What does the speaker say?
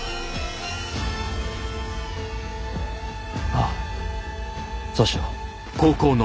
ああそうしよう。